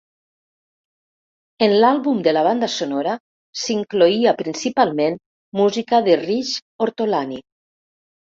En l'àlbum de la banda sonora s'incloïa principalment música de Riz Ortolani.